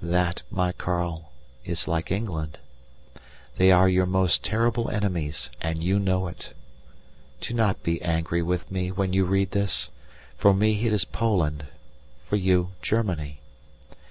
That, my Karl, is like England. They are your most terrible enemies, and you know it. Do not be angry with me when you read this. For me it is Poland, for you Germany.